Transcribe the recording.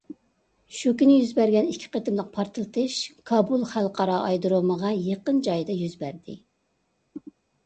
شۇ كۈنى يۈز بەرگەن ئىككى قېتىملىق پارتلىتىش كابۇل خەلقئارا ئايرودۇرۇمىغا يېقىن جايدا يۈز بەردى.